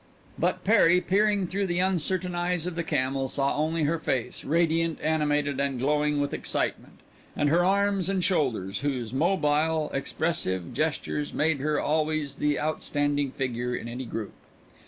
But Perry, peering through the uncertain eyes of the camel, saw only her face, radiant, animated, and glowing with excitement, and her arms and shoulders, whose mobile, expressive gestures made her always the outstanding figure in any group.